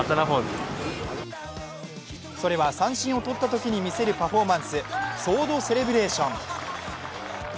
それは三振をとったときに見せるパフォーマンス、ソードセレブレーション。